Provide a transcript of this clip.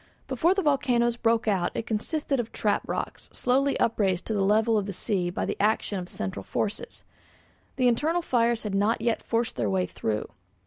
Before the volcanoes broke out it consisted of trap rocks slowly upraised to the level of the sea by the action of central forces. The internal fires had not yet forced their way through.